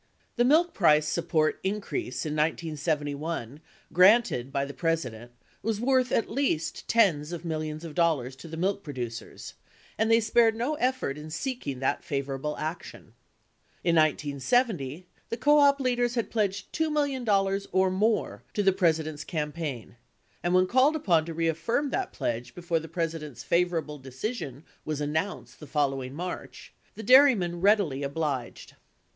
The milk price support increase in 1971 granted by the President was worth at least tens of millions of dollars to the milk producers, and they spared no effort in seeking that favorable action. In 1970, the co op leaders had pledged $2 million "or more" to the President's campaign and, when called upon to reaffirm that pledge before the President's favorable decision was announced the following March, the dairymen readily obliged.